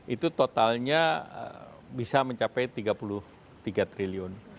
itu totalnya bisa mencapai rp tiga puluh tiga triliun